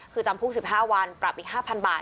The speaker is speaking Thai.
คือจำคุก๑๕วันปรับอีก๕๐๐บาท